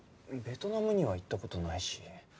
ベトナムには行った事ないし。